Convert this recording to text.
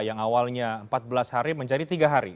yang awalnya empat belas hari menjadi tiga hari